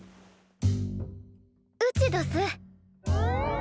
うちどす。